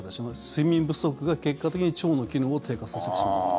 睡眠不足が結果的に腸の機能を低下させてしまう。